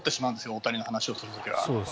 大谷の話をする時は。